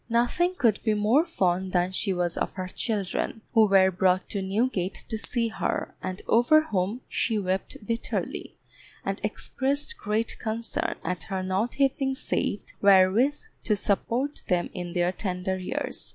Nothing could be more fond than she was of her children, who were brought to Newgate to see her, and over whom she wept bitterly, and expressed great concern at her not having saved wherewith to support them in their tender years.